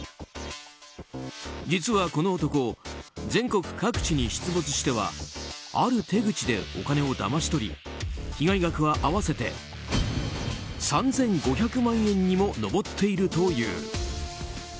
実はこの男全国各地に出没してはある手口でお金をだまし取り被害額は合わせて３５００万円にも上っているという。